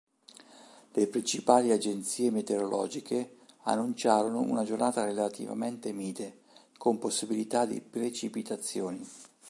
Le principali agenzie meteorologiche annunciarono una giornata relativamente mite, con possibilità di precipitazioni.